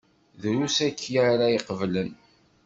Drus akya ara iqeblen.